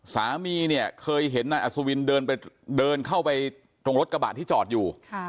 สามีเนี่ยเคยเห็นนายอัศวินเดินเข้าไปตรงรถกระบะที่จอดอยู่